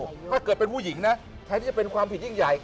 ถ้าเกิดเป็นผู้หญิงนะแทนที่จะเป็นความผิดยิ่งใหญ่